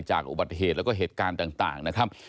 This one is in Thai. อุบัติเหตุแล้วก็เหตุการณ์ต่างนะครับ